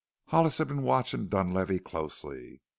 Hollis had been watching Dunlavey closely.